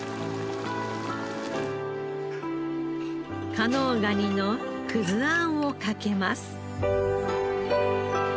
加能ガニのくずあんをかけます。